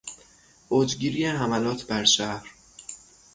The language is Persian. اوجگیری حملات بر شهر